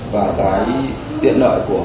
và cái tiện nợ của